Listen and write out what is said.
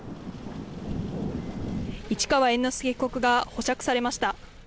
市川猿之助被告が保釈されました。